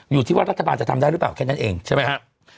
อยู่ที่ว่ารัฐบาลจะทำได้หรือเปล่าแค่นั้นเองใช่ไหมครับ